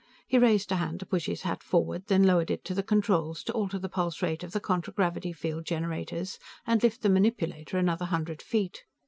He raised a hand to push his hat forward, then lowered it to the controls to alter the pulse rate of the contragravity field generators and lift the manipulator another hundred feet.